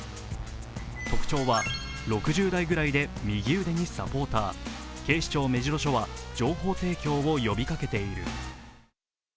特徴は６０代ぐらいで右腕にサポーター警視庁目白署は情報提供を呼びかけている。